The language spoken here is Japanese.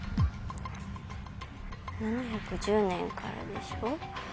７１０年からでしょ。